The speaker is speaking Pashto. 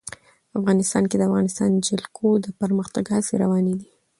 افغانستان کې د د افغانستان جلکو د پرمختګ هڅې روانې دي.